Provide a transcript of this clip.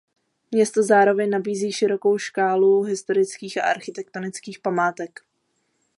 Město zároveň nabízí širokou škálu historických a architektonických památek.